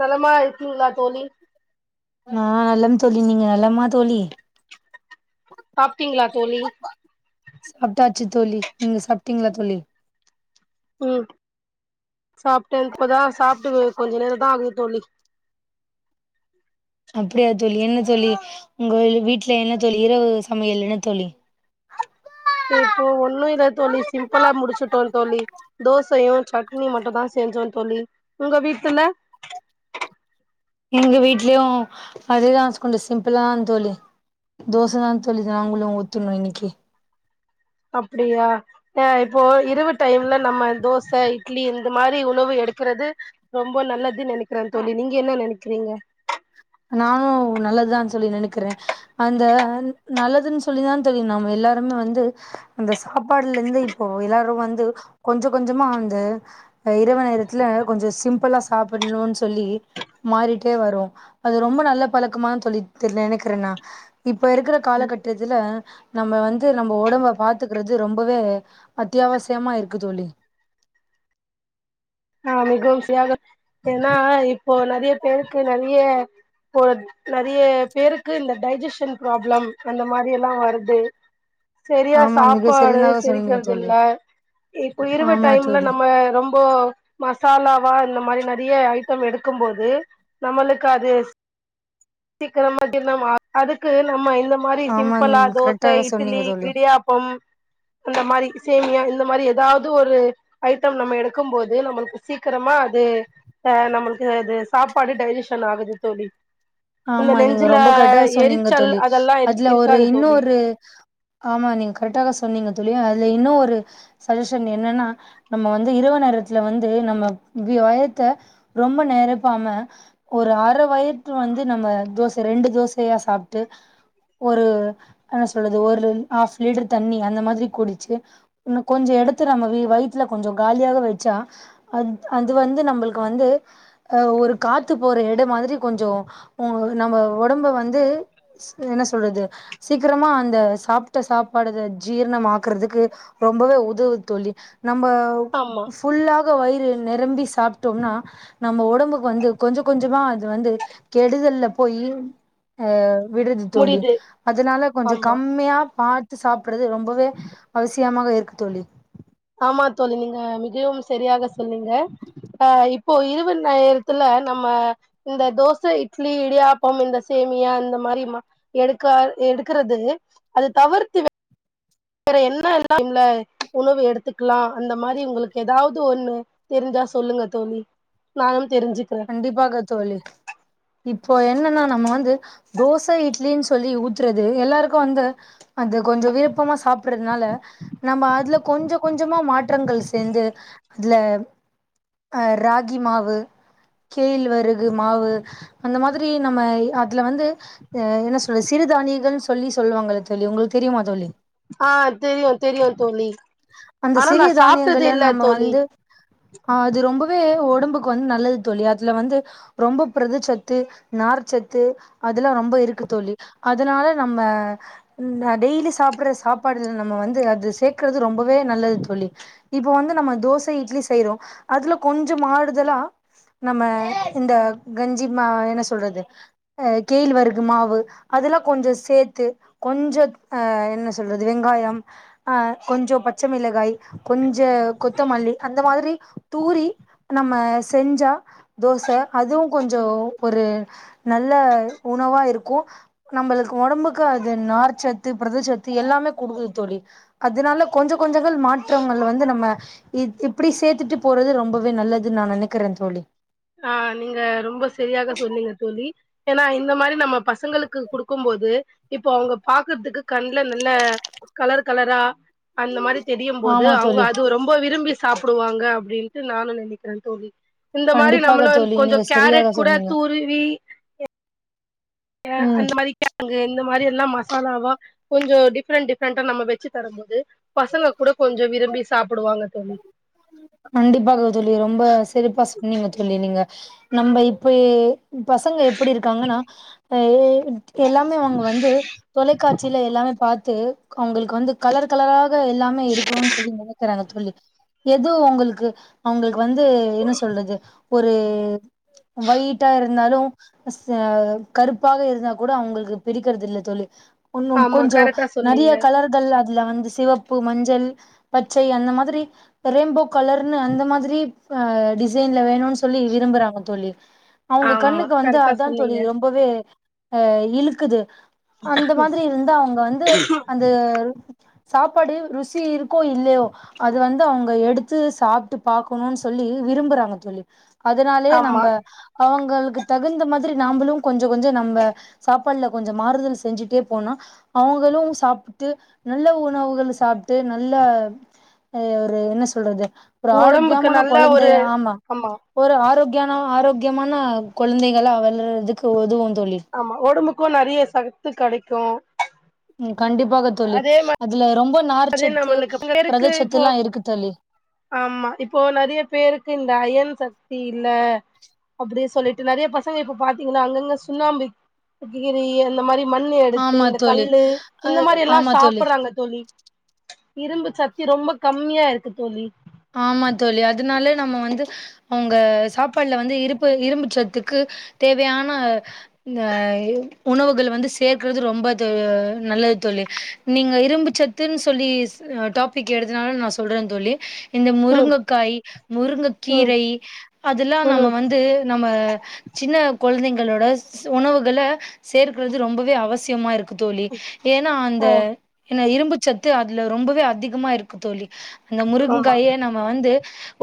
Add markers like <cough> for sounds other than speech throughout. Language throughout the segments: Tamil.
நலமா இருக்கீங்களா தோழி ஆ நலம் தோழி நீங்க நல்லமா தோழி சாப்பிட்டீங்களா தோழி சாப்ட்டாச்சு தோழி நீங்க சாப்டீங்களா தோழி ம் சாப்ட்டேன் இப்பதா சாப்ட்டு கொஞ்ச நேர தா ஆகுது தோழி அப்டியா தோழி என்ன தோழி உங்க வீட்டல என்ன தோழி இரவு சமையல் என்ன தோழி இப்போ ஒண்ணு இல்ல தோழி சிம்பிளா முடிச்சுட்டோ தோழி தோசையு சட்னியு மட்டு தா செஞ்சோ தோழி உங்க வீட்டுல எங்க வீட்லயு அதே தா கொஞ்சோ சிம்பிள தா தோழி தோசை தா தோழி நாங்களு ஊத்துணு இன்னிக்கு அப்டியா அ இப்போ இரவு டைம்ல நம்ம தோச இட்லி இந்த மாரி உணவு எடுக்குறது ரொம்ப நல்லது நெனைக்றேன் தோழி நீங்க என்ன நெனைக்கிறீங்க நானும் நல்லதுதா சொல்லி நெனைக்றேன் அந்த நல்லதுன்னு சொல்லிதா தோழி நம்ம எல்லாருமே வந்து அந்த சாப்பாடுல இந்து இப்போ எல்லாரும் வந்து கொஞ்சோ கொஞ்சமா வந்து இரவு நேரத்துல கொஞ்சம் சிம்பிளா சாப்பிட்ணுன்னு சொல்லி மாறிட்டே வரோம் அது ரொம்ப நல்ல பழக்கமா தோழி தெரில நெனைக்றேன்னா இப்ப இருக்கிற காலகட்ட த்துல நம்ம வந்து நம்ப ஒடம்ப பாத்துக்றது ரொம்பவே அத்யாவசியமா இருக்கு தோழி ஆ மிகவுசியாக ஏன்னா இப்போ நெறைய பேருக்கு நெறைய ஒரு நெறய பேருக்கு இந்த டைஜஷன் ப்ராப்ளம் அந்த மாரி எல்லாம் வருது செரியா ஆமா மிக சாப்பாடு சரியாக சொன்னீங்க செரிக்றது இல்ல தோழி இப்ப இருவ ஆமா டைம்ல தோழி நம்ம ரொம்போ மசாலாவா இந்த மாரி நெறைய ஐட்டம் எடுக்கும்போது நம்மளுக்கு அது சீக்கிரமா ஜீர்ணம் ஆகாது அதுக்கு நம்ம இந்த இந்த மாரி ஆமா சிம்பிளா தோசை கரெக்டாக இட்லி சொன்னீங்க தோழி இடியாப்பம் அந்த மாரி சேமியா இந்த மாரி ஏதாவது ஒரு ஐட்டம் நம்ம எடுக்கும் போது நம்ம சீக்கரமா அது அ நம்மளுக்கு அது சாப்பாடு டைஜஷன் ஆகுது தோழி இந்த ஆமா நீங்க நெஞ்சுல ரொம்ப கரெக்ட்டா சொன்னீங்க எரிச்சல் தோழி அதெல்லா இருக் அதுல ஒரு இருக்காது தோழி இன்னொரு ஆமா நீங்க கரெக்டா தா சொன்னீங்க தோழி அதுல இன்னொரு சஜஷன் என்னன்னா நம்ம வந்து இரவு நேரத்துல வந்து நம்ம <unintelligible> வயத்த ரொம்ப நெரப்பாம ஒரு அர வயத வந் து நம்ம தோச ரெண்டு தோசயா சாப்ட்டு ஒரு என்ன சொல்றது ஒரு ஹஃப் லிட்டர் தண்ணி அந்த மாரி குடிச் இன்னும் கொஞ்சம் எடுத்து நம்ம வயித்ல கொஞ்சம் காலியா வச்சா அ அது வந்து நம்மளுக்கு வந்து அ ஒரு காத்து போற எடோ மாரி கொஞ்ஜோ ம் நம்ம ஒடம்ப வந்து என்ன சொல்றது சீக்கிரமா அந்த சாப்ட்ட சாப்பாடு அத ஜீரணம் ஆக்குறதுக்கு ரொம்பவே உதவுது தோழி நம்போ ஆமா ஃபுல்லாக வயிறு நெரம்பி சாப்ட்டோம்னா நம்ம ஒடம்புக்கு வந்து கொஞ்ச கொஞ்சமா அது வந்து கெடுதல்ல போயி அ விட்ருது தோழி முடியுது அதனால கொஞ்ச ஆமா கம்மியா பாத் து சாப்றது ரொம்பவே அவசியமாக இருக்கு தோழி ஆமா தோழி நீங்க மிகவும் சரியாக சொல்லுங்க ஆ இப்போ இருவ நேரத்துல நம்ம இந்த தோச இட்லி இடியாப்பம் இந்த சேமியா இந்த மாரி மா எடுக்கா எடுக்றது அத தவிர்த்து வேற என்ன எல்லா <inaudible> ம்லா உணவு எடுத்துக்லா அந்த மாரி உங்களுக்கு எதாவ்து ஒன்னு தெரிஞ்சா சொல்லுங்க தோழி நானும் தெரிஞ்சுக்ற கண்டிப்பாக தோழி இப்போ என்னனா நம்ம வந்து தோச இட்லினு சொல்லி ஊத்றது எல்லாருக்கும் வந்து அந்த கொஞ்சோ விருப்பமா சாப்பிடதுனால நம்ம அதுல கொஞ்சம் கொஞ்சமா மாற்றங்கள் சேந்து அதுல அ ராகி மாவு கேல் வரகு மாவு அந்த மாதிரி நம்ம அதுல வந்து அ என்ன சொல்ல சிறுதானியங்கள்னு சொல்லி சொல்லுவாங்கள தோழி உங்ளுக்கு தெரியுமா தோழி ஆ தெரியு தெரியு தோழி அந்த ஆனா நா சிறிய சாப்ட்டது தானியங்கள்ல இல்ல நம்ம தோழி வந்து ஆ அது ரொம்பவே ஒடம்புக்கு வந்து நல்லது தோழி அதுல வந்து ரொம்ப பிரதச்சத்து நார்ச்சத்து அதுல்லா ரொம்ப இருக்கு தோழி அதனால நம்ம ம் நா டெய்லி சாப்பிற சாப்பாடுல நம்ம வந்து அது சேக்கறது ரொம்பவே நல்லது தோழி இப்ப வந்து நம்ம தோச இட்லி செய்றோம் அதுல கொஞ்சம் மாறுதலா நம்ம இந்த கஞ்சிமா என்ன சொல்றது அ கெயில் வருகு மாவு அதெல்லா கொஞ்சோ சேத்து கொஞ்சம் அ என்ன சொல்றது வெங்காயம் அ கொஞ்சோ பச்சமிளகாய் கொஞ்ச கொத்தமல்லி அந்த மாதிரி தூரி நம்ம செஞ்சா தோச அதுவும் கொஞ்சோ ஒரு நல்ல உணவா இருக்கும் நம்பளுக்கு ஒடம்புக்கு அது நார்ச்சத்து புரதச்சத்து எல்லாமே குடுக்குது தோழி அதனால கொஞ்ச கொஞ்சங்கள் மாற்றங்கள் வந்து நம்ம இ இப்டி சேத்துட்டு போறது ரொம்பவே நல்லதுன் நா நெனைக்கிறன் தோழி ஆ நீங்க ரொம்ப சரியாக சொன்னீங்க தோழி ஏன்னா இந்த மாரி நம்ம பசங்களுக்கு குடுக்கும் போது இப்போ அவுங்க பாக்குற்துக்கு கண்ல நல்ல கலர் கலரா அந்த மாரி தெரியும் போது ஆமா அவுங்க தோழி அது ரொம் ப விரும்பி சாப்புடுவாங்க அப்டின்ட்டு நானும் நெனைக்கிறேன் தோழி இந்த மாரி கண்டிப்பாக நம்மளும் தோழி நீங்க கொஞ்சம் சரியாக கேரட் கூட சொன்னீங்க துருவி ம் அந்த மாரி <inaudible> ழங்கு இந்த மாரி எல்லா மசாலாவா கொஞ்சோ டிஃப்ரெண்ட் டிஃப்ரெண்ட்டா நம்ம வச்சு தரும் போது பசங்க கூட கொஞ்சம் விரும்பி சாப்பிடுவாங்க தோழி கண்டிப்பாக தோழி ரொம்ப சிறப்பா சொன்னீங்க தோழி நீங்க நம்ப இப்ப பசங்க எப்டி இருக்காங்கன்னா அ எல்லாமே அவங்க வந்து தொலைக்காட்சில எல்லாமே பாத்து அவங்களுக்கு வந்து கலர் கலராக எல்லாமே இருக்கணுன் சொல்லி நெனைக்கிறாங்க தோழி எது உங்களுக்கு அவுங்களுக்கு வந்து என்ன சொல்றது ஒரு வயிட்டா இருந்தாலு ச கருப்பாக இருந்தா கூட அவுங்களுக்கு பிரிக்கறதில்ல தோழி உன்னும் ஆமா கொஞ்சோ கரெக்டா நெறைய சொன்னீங்க கலர் கள் அதுல வந்து சிவப்பு மஞ்சள் பச்சை அந்த மாத்ரி ரெயின்போ கலர்னு அந்த மாத்ரி அ டிசைன்ல வேணுன் சொல்லி விரும்புறாங்க தோழி அவுங்க ஆமா கண்ணுக்கு வந்து கரெக்டா அதா தோழி சொன்னீங்க ரொ பவே அ இழுக்குது அந்த மாத்ரி இருந்தா அவுங்க வந்து அ ந்த சாப்பாடு ருசி இருக்கோ இல்லையோ அது வந் து அவுங்க எடுத்து சாப்பிட்டு பாக்கணுன் சொல்லி விரும்புறாங்க தோழி அதனாலயே ஆமா நம்ப அவுங்களுக்கு தகுந்த மாத்ரி நாம்புளு கொஞ்ச கொஞ்ச நம்ம சாப்பாட்ல கொஞ்ச மாறுதல் செஞ்சுட்டே போனா அவுங்களு சாப்ட்டு நல்ல உணவுகள் சாப்ட்டு நல்ல ஒரு என்ன சொல்றது ஒரு ஒடம்புக்கு ஆரோக்கியமான நல்ல ஒரு கொழந்த ஆமா ஒரு ஆரோக்கியான ஆரோக்கியமான கொழந்தைகள வளர்றது ஆமா ஒடம்புக்கும் நெறைய சக்த்து கெடைக்கு ம் கண்டிப்பாக தோழி அதே அதுல ரொம்போ மாதிரி நார்ச்சத்து நம்மளுக்கு இப்ப பேருக்கு புரதச்சத்து இப்போ எல்லா இருக்கு தோழி ஆமா இப்போ நெறைய பேருக்கு இந்த அயன் சக்தி இல்ல அப்டி சொல்லிட்டு நெறைய பசங்க இப்ப பாத்தீங்கன்னா அங்கங்க சுண்ணாம்பு கீறி அந்த மாரி மண்ணு எடுத்து ஆமா இந்த தோழி கல்லு அ இந்த மாரியெல்லா ஆமா தோழி சாப்பட்றாங்க தோழி இரும்பு சத்தி ரொம்போ கம்மியா இருக்கு தோழி ஆமா தோழி அதனால நம்ம வந்து அவுங்க சாப்பாட்ல வந்து இருப்பு இரும்பு சத்துக்கு தேவையான இந்த இ உணவுகள் வந்து சேர்க்கறது ரொம்ப இது நல்லது தோழி நீங்க இரும்பு ச த்துன் சொல்லி அ டாபிக் எடுத்தனால நா சொல்றன் தோழி இந்த ம் முருங்கக்காயி முருங்க ம் கீரை அதெல்லா நம்ம ம் வந்து நம்ம சின்ன கொழந்தைங்களோட உணவுகள சேர்க்கறது ரொம்பவே அவசியமா இருக் கு தோழி ஏனா அந்த ஆ என்ன இரும்பு சத்து அதுல ரொம்பவே அதிகமா இருக்கு தோழி இந்த முருங் ஆமா கே நம்ம வந்து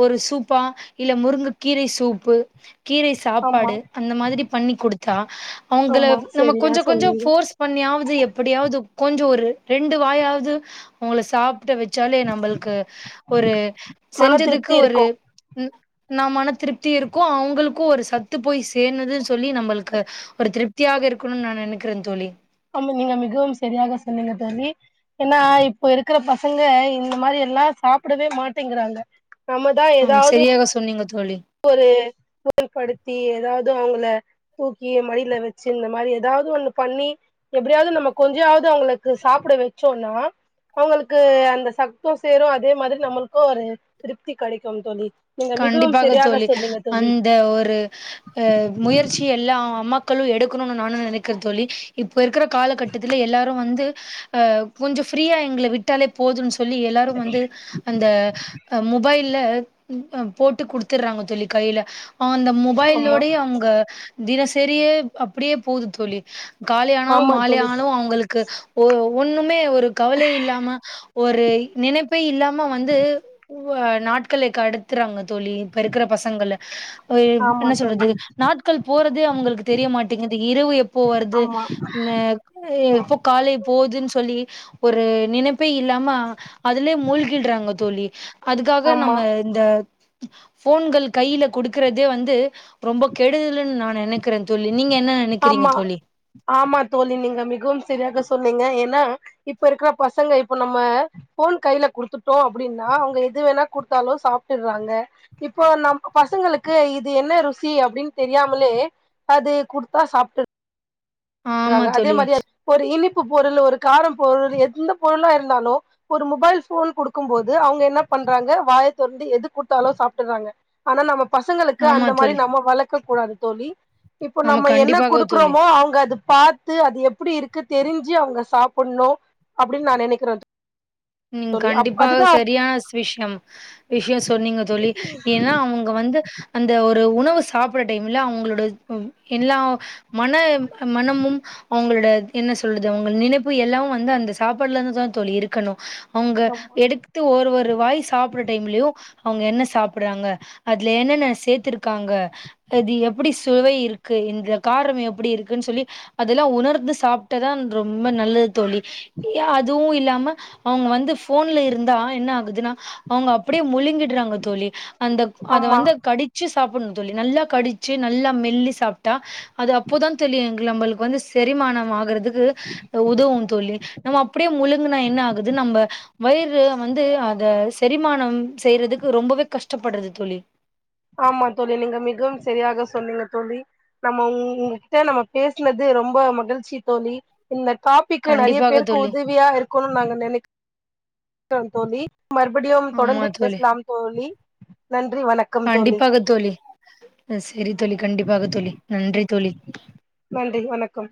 ஒரு சூப்பா இல்ல முருங்கு கீரை சூப்பு கீரை ஆமா சாப்பாடு அந்த மாத்ரி பண்ணி குடுத்தா அவுங்கள ஆமா நம்ம சரியா கொஞ்ச கொஞ்சோ சொன்னீங்க ஃபோர்ஸ் பண்ணியாவ்து எப்டியாவ்து கொஞ்சோ ஒரு ரெண்டு வாயாவ்து அவுங்கள சாப்ட வெச்சாவ் து நம்பள்க்கு ஒரு மன செஞ்சதுக்கு திருப்தி ஒரு இருக்கு ம் நம் மன திருப்தி இருக்கு அவுங்களுக்கு ஒரு சத்து போய் சேந்துது சொல்லி நம்பள்க்கு ஒரு திருப்தியாக இருக்கணுன் நா நெனைக்கிறே தோழி ஆமா நீங்க மிகவும் சரியாக சொன்னீங்க தோழி ஏனா இப்ப இருக்கிற பசங்க இந்த மாரியெல்லா சாப்பிடவே மாட்டேங்கிறாங்க ஆம் சரியாக சொன்னீங்க தோழி ஒரு <inaudible> படுத்தி எதாவ்து அவுங்கள தூக்கி மடியில வெச்சு இந்த மாரி எதாவ்து ஒன்னு பண்ணி எப்டியாவ்து நம்ம கொஞ்சாவது அவுங்களுக்கு சாப்பிட வெச்சோனா அவுங்களுக்கு அந்த சக்து சேரு அதே மாரி நம்மளுக்கு ஒரு திருப்தி கெடைக்கும் தோழி நீங்க மிகவும் கண்டிப்பாக சரியாக தோழி சொன்னீங்க தோழி அந்த ஒரு அ முயற்சி எல்லா அம்மாக்களு எடுக்கணுனு நானு நெனைக்கிறே தோழி இப் இப்ப இருக்கற காலகட்டத்தில எல்லாரு வந்து ஆ கொஞ்சோ ஃப்ரியா எங்கள விட்டாலே போதுன்னு சொல்லி எல்லா ரு வந்து அந்த அ மொபைல்ல ம் அ போட்டு குடுத்துட்றாங்க தோழி கையில அவங்க அந்த ஆமா மொபைல்லோடயே அவங்க தினசரியே அப்படியே போவுது தோழி, காலை ஆனாலு ஆமா மாலை தோழி ஆனாலு அவங்களுக்கு ஒ ஒண்ணுமே ஒரு கவலை இல்லாம ஒரு நினைப்பே இல்லாம வந்து வ நாட்களை கடத்துறாங்க தோழி இப்ப இருக்கிற பசங்கள டிப்பா அ என்ன சொல்றது நாட்கள் போறதே அவங்களுக்கு தெரிய மாட்டேங்குது இரவு எப்போ வருது ஆமா அ எப்போ காலை போவுதுன்னு சொல்லி ஒரு நினைப்பே இல்லாம அதுலயே மூழ்கிட்றாங்க தோழி அதுக்காக நம்ம ஆமா இந்த ஃபோன்கள் கையில குடுக்குறதே வந்து ரொம்ப கெடுதல்னு நா நெனைக் கிறே தோழி, நீங்க என்ன நெனைக்கிறீங்க ஆமா தோழி ஆமா தோழி நீங்க மிகவும் சரியாக சொன்னீங்க ஏன்னா இப்ப இருக்கற பசங்க இப்ப நம்ம ஃபோன் கையில குடுத்துட்டோ அப்டின்னா அவங்க எது வேணா குடுத்தாலு சாப்ட்டுட்றாங்க இப்போ நம்ப பசங்களுக்கு இது என்ன ருசி அப்டின்னு தெரியாமலே அது குடுத் தா சாப்ட்டு ஆமா ட்றாங்க அதே தோழி மாரி அது ஒரு இனிப்பு பொருள் ஒரு காரம் பொருள் எந்த பொருளா இருந்தாலு ஒரு மொபைல் ஃபோன் குடுக்கும் போது அவங்க என்ன பண்றாங்க வாய தொறந்து எது குடுத்தாலு சாப்ட்டுட்றாங்க ஆனா நம்ம பசங்களுக்கு ஆமா அந்த மாரி தோழி நம்ம வளக்க கூடாது தோழி, இப்போ ஆமா நம்ம என்ன கண்டிப்பாக தோழி குடுக்குறோமோ அவங்க அது பாத்து அது எப்படி இருக்கு தெரிஞ்சு அவங்க சாப்புட்ணு அப்டின்னு நா நெனைக்கிறே தோழி ம், கண்டிப்பா அதுதா சரியான விஷயம் விஷயோ சொன்னீங்க தோழி ஏன்னா அவங்க வந்து அந்த ஒரு உணவு சாப்பிட்ற டைம்ல அவங்களோட, ம், எல்லா மன மனமும் அவங்களோட என்ன சொல்றது அவங்க நினைப்பு எல்லாமு வந்து அந்த சாப்பாடுல இருந்துதா தோழி இருக்கணு அவங்க எடுத்து ஒரு ஒரு வாய் சாப்புட்ற டைம்லயு அவங்க என்ன சாப்பிட்றாங்க அதுல என்னன்ன சேத்துருக்காங்க அது எப்படி சுவை இருக்கு இந்த காரம் எப்டி இருக்குனு சொல்லி அதெல்லா உணர்ந்து சாப்ட்டதா ரொம்ப நல்லது தோழி அதுவு இல்லாம அவங்க வந்து ஃபோன்ல இருந்தா என்ன ஆகுதுன்னா அவங்க அப்டியே முழுங்கிட்றாங்க தோழி அந்த அத ஆமா வந்து கடி ச்சி சாப்புட்ணு தோழி, நல்லா கடிச்சு நல்லா மெல்லி சாப்ட்டா அது அப்போதா தோழி எங்க நம்மளுக்கு வந்து செரிமானம் ஆகறதுக்கு உதவும் தோழி நம்ம அப்டியே முழுங்குனா என்ன ஆவு அ வயிறு வந்து அத செரிமானம் செய்யறதுக்கு ரொம்பவே கஷ்டப்பட்றது தோழி ஆமா தோழி நீங்க மிகவும் சரியாக சொன்னீங்க தோழி நம்ம உங்கிட்ட நம்ம பேசினது ரொம்ப மகிழ்ச்சி தோழி இந்த டாபிக்கு நெறைய கண்டிப்பாக பேருக்கு தோழி உதவியா இருக்குனு நாங்க நெனைக் கிறோ தோழி, மறுபடியும் ஆமா தொடர்ந்து தோழி பேசலாம் தோழி நன்றி வணக் கண்டிப்பாக தோழி, அ சரி தோழி கண்டிப்பாக தோழி நன்றி தோழி. நன்றி வணக்கம்.